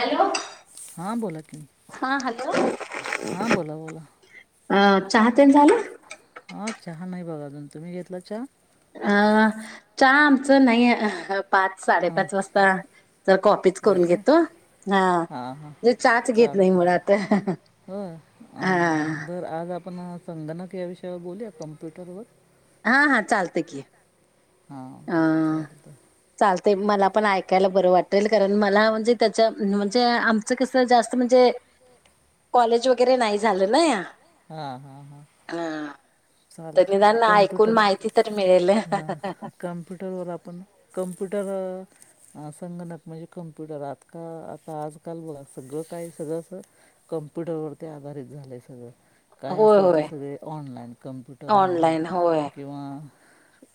Hello हां बोला की हा हॅलो हां बोला बोला अ चहा तेन झाला हा चहा नाही बघा अजून तुम्ही घेतला चहा अ चहा आमचं नाही अहं पाच हां साडेपाच वाजता तर कॉपीच होय करून काय घेतो हा हां हां मी चहाच घेत नाही मुळात ह ह अ बरं आज आपण संगणक या विषयवर बोलूया कम्प्युटरवर हा हा चालतय की हा चालतय चालतय मला पण ऐकायला बरं वाटेल कारण मला म्हणजे त्याच्या म्हणजे आम च कसं जास्त म्हणजे कॉलेज वगैरे नाही झालं नाही हा हा हा हा तर निदान ऐकून कम्प्युटर माहिती तर मिळेल कमप्युटरवर आपण कम्प्युटरवर संगणक म्हणजे कम्प्युटर आज का आता आजकाल बघा सगळं काही सगळं असं कम्प्युटरवरती आधारित झालंय सगळं काय होय असेल ते होय सगळे ऑनलाइन कम्प्युटर म्हणा ऑनलाईन होय किंवा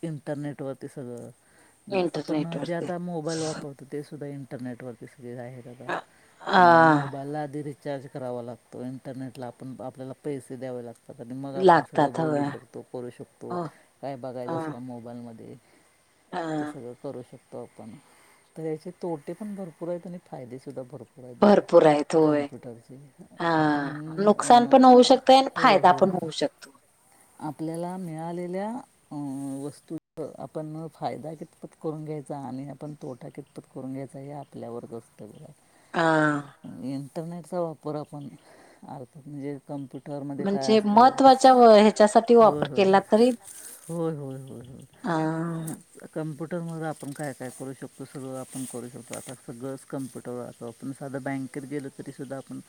इंटरनेटवरती सगळं म आपण इंटरनेट जे वरती आता मोबाईल वापरतो ते सुद्धा इंटरनेट व सगळं आहे बघा अ त्यामुळं मोबाईलला आधी रि चार्ज करावा लागतो इंटरनेटला आपण आपल्याला पैसे द्यावे लागतात आणि मग आपण सगळं लागतात बोलू होय शकतो करू शकतो हो काय अ बघायचं असलं मोबाईलमध्ये अ ते सगळं करू शकतो आपण तर याचे तोटे पण भरपूर आहेत आणि फायदे सुद्धा भरपूर आहेत बघा भरपूर आहेत होय कम्प्युटरचे हा आपण नुकसान पण होऊ शकतय आणि हो फायदा हो. पण होऊ शकतो आपल्याला मिळालेल्या अ वस्तू आपण फायदा कितपत करून घ्यायचा आणि आपण तोटा कितपत करून घ्यायचा या आपल्यावरच असतं बर. आ. इंटरनेटचा वापर आपण अर्थात म्हणजे कम्प्युटरमध्ये काय म्हणजे असतं. महत्त्वाच्या ह्याच्यासाठी होय वापर होय, केला तरी होय होय होय होय. अ कम्प्युटरमध्ये आपण काय-काय करू शकतो सगळं आपण करू शकतो आता सगळंच कम्प्युटरवर असो आपण साधा बँकेत गेलो तरी सुद्धा आपण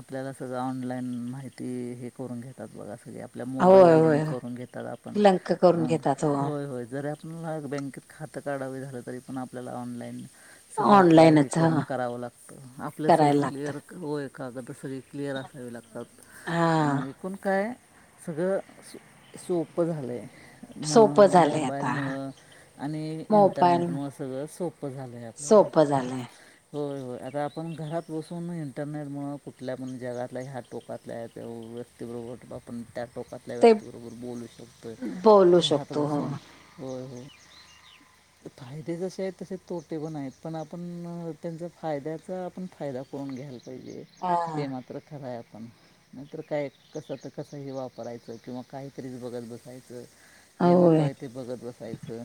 आपल्याला सगळं ऑनलाईन माहिती हे करून घेतात बघा सगळे आपल्या होय मोबाईलला लिंक होय करून घेतात आपण लंक करून घेतात हो होय-होय जर आप हम् बँकेत खातं काढावे झालं तरी पण आपल्याला ऑनलाईन सगळं आपलं हे ऑनलाईनच ह करून करावं लागतं आपलं सगळं करायला लागत क्लिअर होय कागद सगळी क्लिअर असावे लागतात हा एकूण काय सगळं सोपं झालं आहे सोपं म झालंय आता मोबाईलमुळं आणि मोबाईल इंटरनेटमुं सगळं सोपं झालं आहे आपल्या. सोपं झालय. होय होय. आता आपण घरात बसून इंटरनेटमुळं कुठल्या पण जगातल्या ह्या टोकातल्या आहे ते व व्यक्तीबरोबर आपण त्या टोकातल्या ते व्यक्तीबरोबर बोलू शकतोय बोलू घरात शकतो हो बसून. होय होय ‌. [inaudible] फायदे जसे आहेत तसे तोटे पण आहेत पण आपण त्यांचा फायद्याचा आपण फायदा प‌ऊन घ्यायला पाहिजे हा हे मात्र खरंय आपण नंतर काय कसं तर कस वाप करायच किंवा काहीतरी बघत बसायचं जे नको होय आहे ते बघत बसायचं.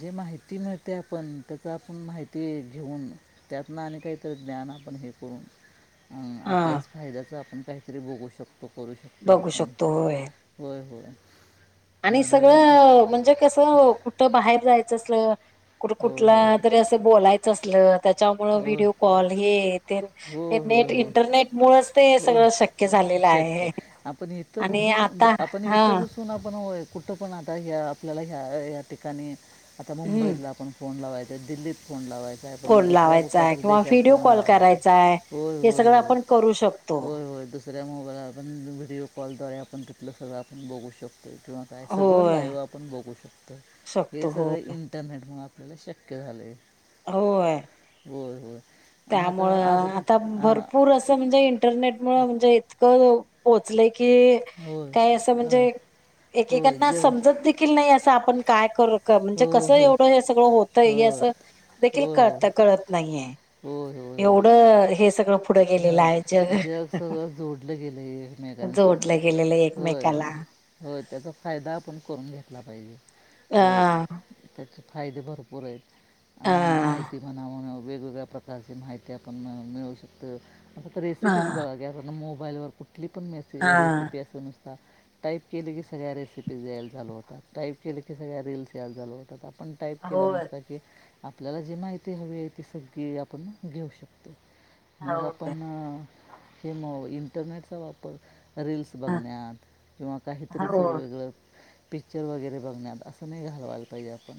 जे माहिती नाही ते आपण त्याचा आपण माहिती घेऊन त्यातन आणि काहीतरी ज्ञान आपण हे करून हम् हा आपल्याच फायद्याचं आपण काहीतरी बगू शकतो, करू शकतो. बघू आपण शकतो होय होय होय. आणि मोबाईलवर पण सगळं म्हणजे कसं कुठ बाहेर जायचं असल होय कुठ-कुठला होय जरी असं बोलायचं असल त्याच्यामुळं होय व्हिडिओ कॉल येत तेन, हे होय होय नेट होय इंटरनेट मुळच ते हे होय सगळं शक्य झालेलं आहे, आणि आता हा. तून आपण कुठं पण आता ह आपल्याला ह्या या ठिकाणी आता हम्म मुंबईतला आपण फोन लावायचे, दिल्लीत फोन लावायचे काय पण फोन दुसऱ्या कुठला लावायचाय तर किंवा देशात व्हिडिओ फोन कॉल लावायचा करायचाय होय हे होय सगळं होय. आपण करू शक होय होय दुसऱ्या मोबाईललावर पण व्हिडिओ कॉलद्वारे आपण तिथलं सगळं आपण बघू शकतो. किंवा काय सगळं होय लाईव आपण बघू शकतो हे शकतो हो सगळं इ टरनेट म्हणून आपल्याला शक्य झाले. होय. होय होय. आणि आता आज त्यामुळं आता आ- भरपूर असं म्हणजे इंटरनेट मुळ म्हणजे इतकं पोहोचलंय की होय काय अस अ, म्हणजे होय एकएकांना जग समज नाही. देख नाही अस आपण काय करू म्हणजे हो कस हो एवढ हे सगळ होतय हो. हे अस देखील होय, कर होय. त कळत नाहीये. होय, होय, होय. एवढ हे सगळ पुढ गेलेल हं. आहे. जग सगळ जोडल गेले एकमेकांशी जोडलं गेलेलं होय. एकमेकाला. हो त्याचा फायदा आपण करून घेतला पाहिजे. हो हां त्याचे फायदे भरपूर आहेत. अ त्यांना माहिती म्हणाव वेगवेगळ्या प्रकार अशी माहिती आपण मिळवू शकतो. आता ह रेसिपीज बघा घ्या. मोबाईलवर कुठली पण मेसेज हा रेसिपी अस नुसत टाईप केले की सगळ्या रेसिपीज यायला चालू होतात. टाईप केले की सगळ्या रीलस यायला चालू होतात आपण. टाईप केल होय नुसत की आपल्याला जी माहिती हवीये ती सगळी आपण घेऊ शकतो मग आपण ते मग इंटरनेटचा वापर रिल्स बघण्यात किंवा होय काहीतरीच वेगळ. पिक्चर वगैरे बघण्यात अस नाही घालवायला पाहिजे आपण.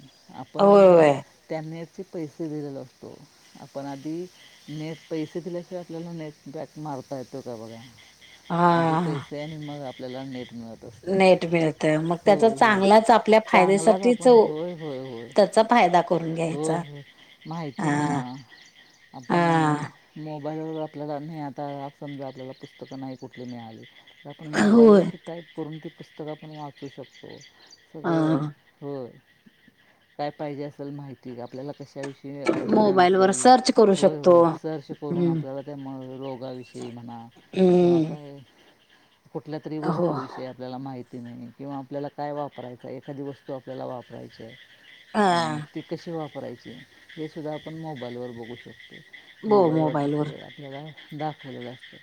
होय आपण होय त्या नेटचे पैसे दिलेलो असतो. आपण आधी नेट पैसे दिल्याशिवाय आपल्याला नेट पॅक मारता येतो का बघा, आधी हा. पैसे नि मग आपल्याला नेट मिळत नेट मिळतय मग त्याचा होय, होय, चांगलाच आपल्या चांगलाच फायद्यासाठीच आपण होय, होय, होय. त्याचा फायदा करून घ्यायचा होय, होय माहितीये म्हणा हा आपण हा मोबाईलवर आपल्याला नाही आता समजा आपल्याला पुस्तक नाही कुठली मिळाली. आपण मोबाईल होय वरती टाईप करून ती पुस्तक आपण वाचू शकतो सगळ. हा. होय, काय पाहिजे असेल माहिती आपल्याला कशाविषयी हे अज्ञान मोबाईल वर असेल सर्च करू होय, शकतो होय सर्च करून हम्म आपल्याला ते रोगा विषयी म्हणा किंवा हम्म. काय कुठल्या तरी हो वस्तू विषयी. आपल्याला माहिती नाही किंवा आपल्याला काय वापरायच एखादी वस्तू आपल्याला वापरायची. अ ती कशी वापरायची हे सुद्धा आपण मोबाईलवर बघू शकतो. बो मोबाईलवरती मोबाईल वर सगळ आपल्याला दाखवलेल असत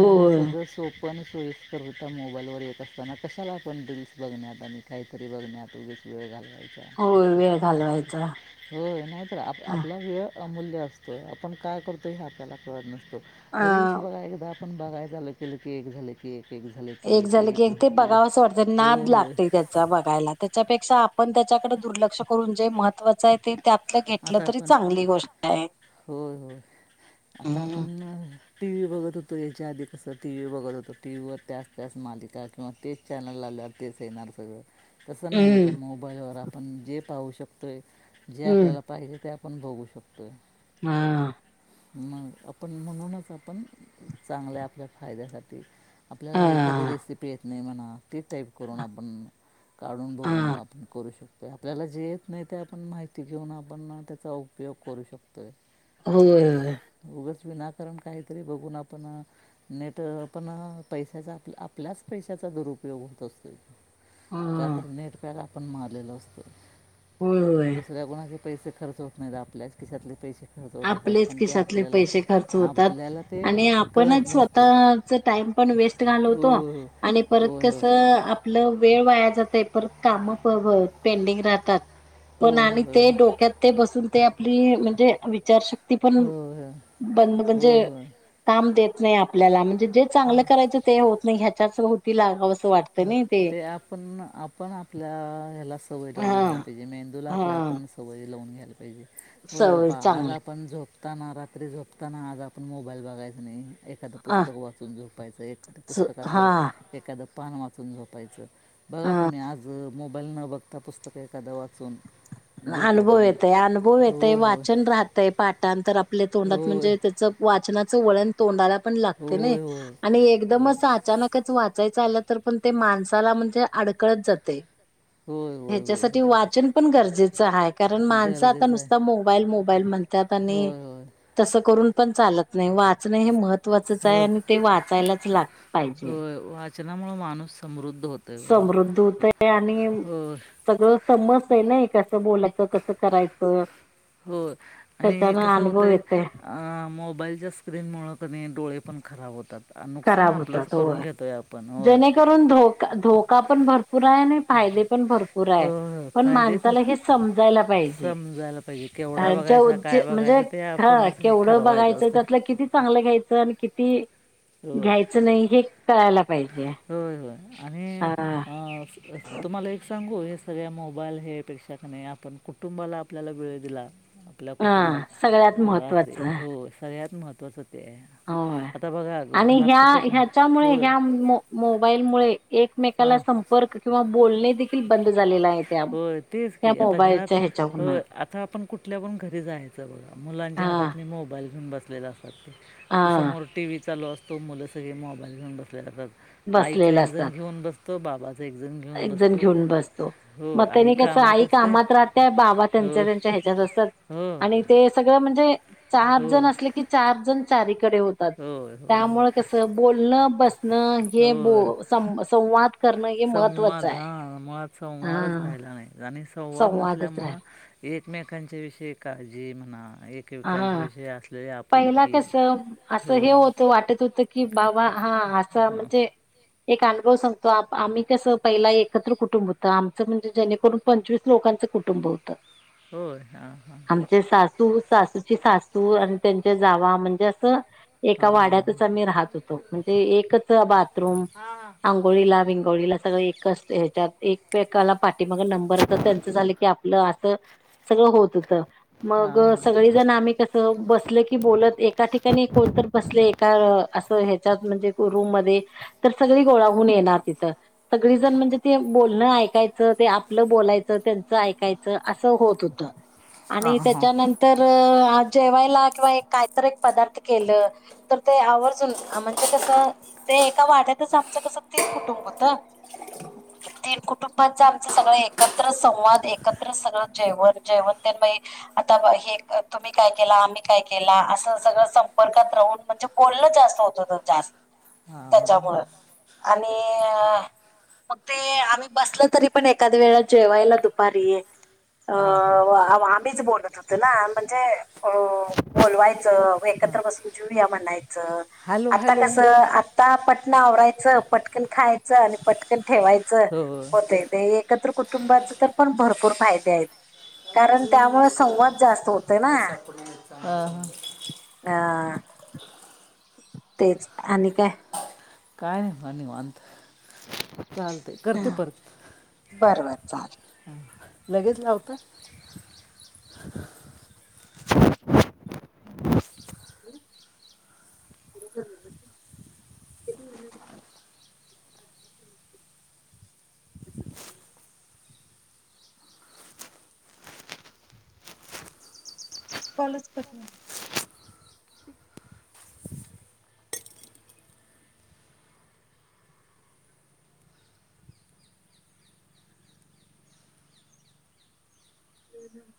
त्यामुळ सगळ सोप पण सोयीस्करित्या मोबाईलवर येत असताना कशाला आपण रिल्स बघण्यात आणि काय काहीतरी बघण्यात उगच वेळ घालवायचा. होय वेळ घालवायचा. होय नाहीतर आप ह आपला वेळ अमूल्य असतोय. आपण काय करतो, हे आपल्याला कळत नसतो. अ रील्स बघाय एकदा आपण बघाय चालू केल की एक झाल की एक. एक एक झाले की एक, झालं एक झाले ते की एक, बघावंसं वाटतं होय नाद होय. लागते त्याचा त्याच्यापेक्षा आपण त्याच्याकड दुर्लक्ष करून जे महत्त्वाच आहे ते त्यातल घेतल आता तरी आपण चांगली गोष्ट आहे. होय होय आता आपण टी व्ही बघत होतो. याच्या आधी कस टी व्ही बघत होत, टी व्हीवर त्याच त्याच मालिका किंवा तेच चॅनल लावल्यावर तेच येणार सगळ. तस नाही आता हम्म. मोबाईलवर आपण जे पाहू शकतोय जे हम्म आपल्याला पाहिजे ते, आपण बघू शकतोय. हां मग आपण म्हणूनच आपण चांगल्या आपल्या फायद्यासाठी. आपल्याला एखादी हा रेसिपी येत नाही म्हणा, ती टाईप करून आपण काढून हा बघून. करू शकतोय आपल्याला जे येत नाही ते आपण माहिती घेऊन आपण त्याचा उपयोग करू शकतोय. होय होय उगच विनाकारण काहीतरी बघून आपण नाही ते आपण पैशाचा आपल्याच पैशाचा दुरुपयोग होत असतोय. हा का तर नेटपॅग आपण मारलेलो असतो. होय होय दुसऱ्या कोणाचे पैसे खर्च होत नाही. आपल्याच खिशातले पैसे खर्च होत असतात. आपलेच पण ते खिशातले आपल्याला पैसे खर्च होतात आपल्याला ते आणि कळत आपणच नसते स्वतःच टाईम. पण वेस्ट घालवतो होय आणि परत होय कस होय आपलं वेळ वाया जातय परत काम पेंडिंग राहतात. पण आणि होय ते होय डोक्यात ते बसून ते आपली म्हणजे विचार शक्ती ती होय पण होय होय बंद होय म्हणजे, होय काम देत नाही आपल्याला म्हणजे जे चांगलं करायचं ते होत नाही. ह्याच्याच भोवती लागावं असं वाटत. हो. नाही ते, ते आपण आपण आपल्या ह्याला सवय लावून हा घ्यायला पाहिजे. मेंदूला आपल्या हा आपण सवय लावून घ्यायला पाहिजे. हो सवय बाबा आज चांगली आप पण झोपताना, रात्री झोपताना, आज आपण मोबाईल बघायचं नाही. एखादं हा पुस्तक वाचून झोपायचं, एखाद्या पुस्तकातलं हा एखादं पान वाचून झोपायचं बघा हा तुम्ही आज मोबाईल न बघता पुस्तकं एखादं वाचून. झोपा अनुभव तुम्ही येतय अनुभव येतय होय होय वाचन राहतय पाठां तर आपल्या तोंडात होय म्हणजे त्याचं वाचनाचं वळण तोंडाला पण होय लागते नाही होय आणि होय एकदमच अचानकच वाचायचं आलं तर पण ते माणसाला म्हणजे अडकळत जाते होय होय होय ह्याच्यासाठी होय वाचन पण गरजेचं आहे कारण माणसं आता गरजेचं आहे नुसता मोब मोबाईल मोबाईल म्हणतात होय होय आणितसं करून पण चालत नाहीवाचन हे महत त्वाचच आहे हो आणि ते वाचायलाच लाग पाहिजे वाचनामुळे माणूस समृद्ध होतो आहे बघा समृद्ध होतय आणि होय सगळ समजतं न कसं बोलायचं कसं करायचं हो आणि त्याच्यान कसं अनुभव होतंय येतय आ मोबाईलच्या स्क्रीनमुळं कधी डोळे पण खराब होतात आणि नुकसान खराब होतात आपलंच हो करून घेतो आहे आपण होय जेणेकरून धोका धो का पण भरपूर आहे आणि फायदे पण भरपूर आहे नाही होय होय पण फायदे माणसाला हे समजायला पाहिजे समजायला पाहिजे केवढा बघायचा काय म्हणजे बघायचं ते हा आपणच केवढं ठरवायचं बघायचं असतं त्यातलं किती चांगलं घ्यायचं आणि किती होय घ्यायचं नाही हे कळायला पाहिजे होय होय आणि हा आ तुम्हाला एक सांगू हे सगळ्या मोबाईल हेपेक्षा नाही आपण कुटुंबाला आपल्याला वेळ दिला आपल्या हा सगळ्यात कुटुंबाला रात्री महत्त्वाचं हो सगळ्यात महत्त्वाचं ते हो आता बघा ग- आणि घरात ह्या कुठं पण ह्याच्यामुळे होय ह्या मो मोबाईलमुळे एकमेकाला हां संपर्क किंवा बोलणे देखील बंद झालेला आहे त्या हो तेच त्या की आता घरात मोबाईलच्या हो ह्याच्यावरन आता आपण कुठल्या पण घरी जायचं बघा मुलांच्या हा हातात मी मोबाईल घेऊन बसलेला हा असतो समोर टीव्ही चालू असतो मुलं सगळे मोबाईल घेऊन बसले जातात आईचा बसलेलं एक असतात. जण घेऊन बसतो बाबाचा एक जण घेऊन एक जण बसतो घेऊन बसतो हो मग आई त्यांनी कस कामात आई असते कामात राहतेय बाबा हो त्यांच्या त्यांच्या ह्याच्यात असतात हो आणि ते सगळ म्हणजे चार हो जण असले की चार जण चारीकडे होते तात हो हो त्यामुळे कस बोलण बसण हे हो बो संवाद करण हे महत्त्वा संवाद हां मुळात संवादच राहिला नाही आणि संवाद संवादच राहिला नसल्यामुळ एकमेकांच्या विषयी काळजी म्हणा एकमेकांच्या हा विषयी अस पहिला कस अस हे होत वाटत होत की बाबा हा अस हं, म्हणजे एक अनुभव सांगतो आम्ही कस पहिला एकत्र कुटुंब होत आमच म्हणजे जेणेकरून पंचवीस लोकांच कुटुंब होत. होय हां हां म्हणजे सासू सासूची सासू आणि त्यांच्या जावा म्हणजे अस एका हां हां वाड्यातच आम्ही राहत होतो. म्हणजे एकच बाथरूम हां अं धोळीला बिगोळीला सगळ एकाच ह्याचात एकमेकाला पाठीमाग नंबर त्यांच झाल की की आपल अस सगळ होत होत मग हां हां सगळी जण आम्ही कस बसल की बोलत एका ठिकाणी कोणतर बसलय एका अस ह्याच्यात म्हणजे रूम मध्ये तर सगळी गोळा होऊन येणार तिथ. सगळी जण म्हणजे ते बोलण ऐकायच ते आपल बोलायच त्यांच ऐकायच अस होत होत. आणि त्याच्यानंतर जेवायला किंवा एक कायतर एक पदार्थ केल. तर ते आवर्जून म्हणजे कस ते एका वाड्यातच आमच कस तीन कुटुंब होत. ती कुटुंबांच आमच सगळ एकत्र संवाद एकत्र सगळ जेवण जेवण ते आता हे तुम्ही काय केला, आम्ही काय केला, अस सगळ संपर्कात राहून म्हणजे बोलण जास्त होत जास्त. हां त्याच्यामुळ हां आणि मग ते आम्ही बसल तरी पण एखाद्या वेळा जेवायला दुपारी. अ हां हां आम्हीच बोलत होतो ना म्हणजे अ बोलवायच. मग एकत्र बसून जेऊया म्हणायच हॅलो आता हॅलो कस आता पटन आवरायच पटकन खायच आणि पटकन ठेवायच होय होतय. ते एकत्र कुटुंबाच तर पण भरपूर फायदे आहेत कारण त्यामुळे संवाद जास्त होतो. काय सपडली [unintelligible] हां तेच आणि काय? काय नाही म निवांत चालतय करते परत. बर बर चालेल. लगेच लावताय? [inaudible] [inaudible] [inaudible] कॉलेज [unintelligible] हम्म हम्म